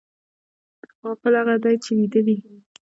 غافل هغه دی چې ویده وي